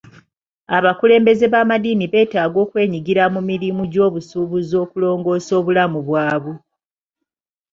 Abakulembeze b'amadiini betaaga okwenyigira mu mirimu gy'obusuubuzi okulongoosa obulamu bwabwe.